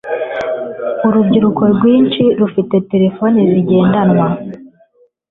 urubyiruko rwinshi rufite terefone zigendanwa